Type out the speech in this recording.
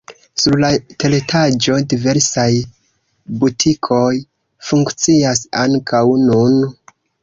Sur la teretaĝo diversaj butikoj funkcias ankaŭ nun.